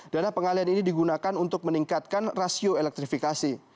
dana pengalian ini digunakan untuk meningkatkan rasio elektrifikasi